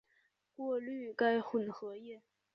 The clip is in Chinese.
过滤该混合液。